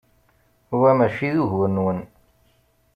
Wa mačči d ugur-nwen.